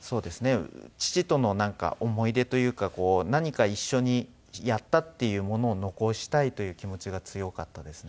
父とのなんか思い出というか何か一緒にやったっていうものを残したいという気持ちが強かったですね。